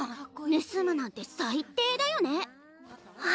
ぬすむなんて最低だよね。